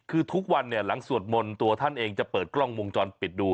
คือทุกวันเนี่ยหลังสวดมนต์ตัวท่านเองจะเปิดกล้องวงจรปิดดู